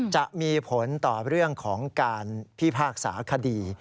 จะมีผลต่อเรื่องของการพิพากษาคดี